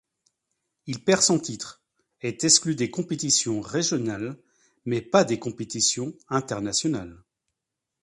Il perd son titre, est exclut des compétitions régionales, mais pas des compétitions internationales.